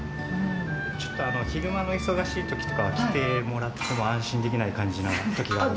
ちょっと昼間の忙しいときとか来てもらっても安心できない感じなときがあるんです。